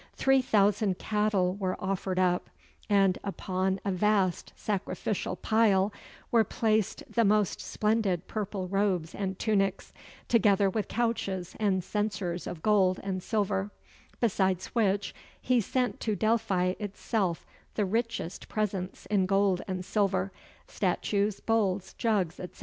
Three thousand cattle were offered up, and upon a vast sacrificial pile were placed the most splendid purple robes and tunics, together with couches and censers of gold and silver; besides which he sent to Delphi itself the richest presents in gold and silver statues, bowls, jugs, etc.